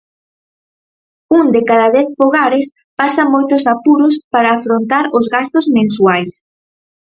Un de cada dez fogares pasa moitos apuros para afrontar os gastos mensuais.